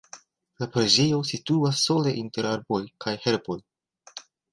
La preĝejo situas sola inter arboj kaj herboj.